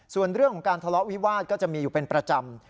ส่วนเรื่องของการทะเลาะวิวาสก็จะมีอยู่เป็นประจำ